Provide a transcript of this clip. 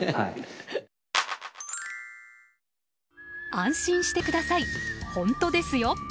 安心してくださいホントですよ！